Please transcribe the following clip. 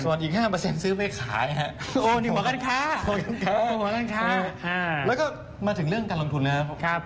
ส่วนอีก๕ซื้อไปขาย